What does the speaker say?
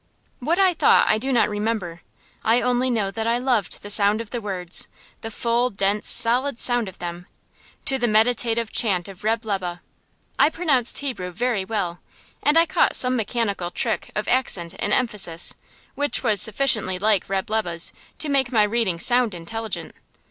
What I thought I do not remember; I only know that I loved the sound of the words, the full, dense, solid sound of them, to the meditative chant of Reb' Lebe. I pronounced Hebrew very well, and I caught some mechanical trick of accent and emphasis, which was sufficiently like Reb' Lebe's to make my reading sound intelligent.